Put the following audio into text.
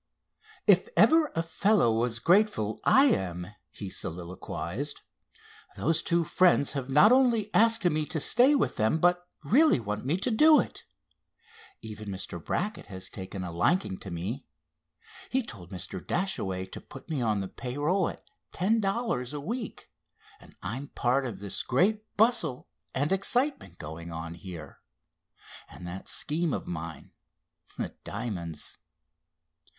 "If ever a fellow was grateful I am!" he soliloquized. "Those two friends have not only asked me to stay with them, but really want me to do it. Even Mr. Brackett has taken a liking to me. He told Mr. Dashaway to put me on the pay roll at ten dollars a week, and I'm a part of all this great bustle and excitement going on here. And that scheme of mine—the diamonds!"